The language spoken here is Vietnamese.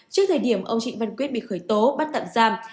trước thời điểm ông trịnh văn quyết bị khởi tố bắt tạm giam